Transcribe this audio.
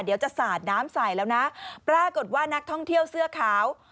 จะสาดน้ำใส่แล้วนะปรากฏว่านักท่องเที่ยวเสื้อขาว